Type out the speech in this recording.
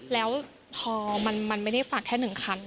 แล้วพอมันไม่ได้ฝากแค่๑คัน